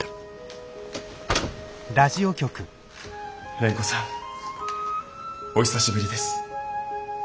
蓮子さんお久しぶりです。